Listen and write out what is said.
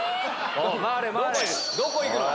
どこ行くの？